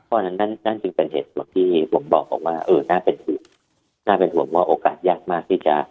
เต่านั้นจึงเป็นเหตุตรงที่ผมบอกน่าเป็นหวังว่าโอกาสยักษ์มากที่จะ